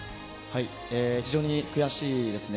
非常に悔しいですね。